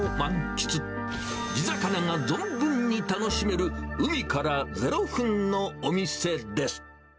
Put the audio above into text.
地魚が存分に楽しめる、海から０分のお店です。